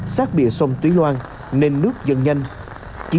sát bìa sông tuy loan nên nước dần nhanh